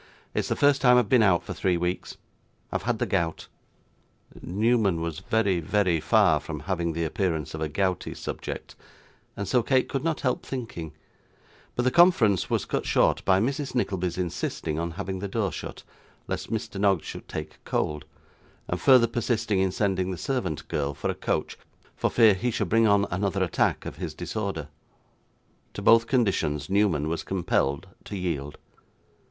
'It's the first time I've been out for three weeks. I've had the gout.' Newman was very, very far from having the appearance of a gouty subject, and so Kate could not help thinking; but the conference was cut short by Mrs. Nickleby's insisting on having the door shut, lest Mr. Noggs should take cold, and further persisting in sending the servant girl for a coach, for fear he should bring on another attack of his disorder. To both conditions, Newman was compelled to yield.